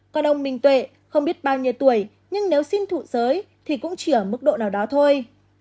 còn ông minh tuệ không biết bao nhiêu tuổi nhưng nếu xin thụ giới thì cũng chỉ ở mức độ nào đó thôi